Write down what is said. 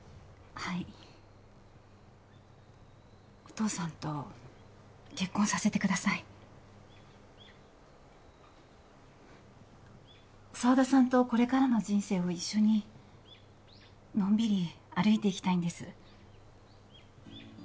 はいお父さんと結婚させてください沢田さんとこれからの人生を一緒にのんびり歩いていきたいんです